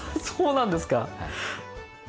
そうなんですか。